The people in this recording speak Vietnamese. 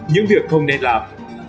những việc không nên làm